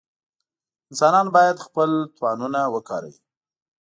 انسانان باید خپل توانونه وکاروي.